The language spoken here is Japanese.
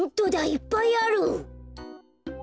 いっぱいある！